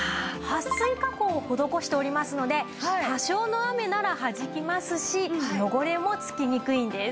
はっ水加工を施しておりますので多少の雨ならはじきますし汚れもつきにくいんです。